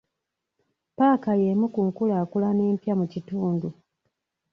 Ppaaka y'emu ku nkulaakulana empya mu kitundu.